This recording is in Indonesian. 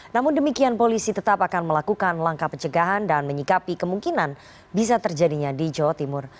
namun demikian polisi tetap akan melakukan langkah pencegahan dan menyikapi kemungkinan bisa terjadinya di jawa timur